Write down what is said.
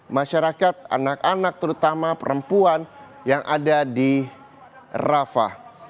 masyarakat anak anak terutama perempuan yang ada di rafah